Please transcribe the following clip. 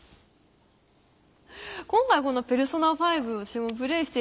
今回この「ペルソナ５」私もプレイしていて何だろう